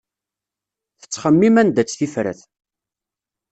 Tettxemmim anda-tt tifrat.